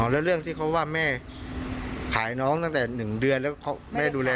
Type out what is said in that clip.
แล้วเรื่องที่เขาว่าแม่ขายน้องตั้งแต่๑เดือนแล้วแม่ดูแล